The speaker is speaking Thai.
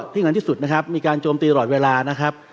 ที่ที่สุดนะครับมีการโจมตีหมดเดียวกัน